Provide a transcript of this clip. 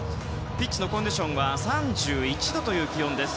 ピッチのコンディションは３１度という気温です。